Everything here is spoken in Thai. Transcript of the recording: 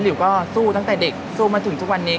หิวก็สู้ตั้งแต่เด็กสู้มาถึงทุกวันนี้